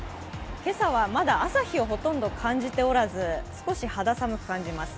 今朝はまだ朝日をほとんど感じておらず少し肌寒く感じます。